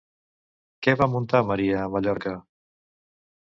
Què va muntar Maria a Mallorca?